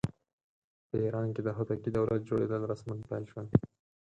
په ایران کې د هوتکي دولت جوړېدل رسماً پیل شول.